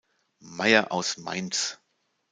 Mayer aus Mainz.